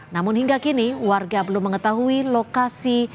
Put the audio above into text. namun hingga kini warga belum mengetahui lokasi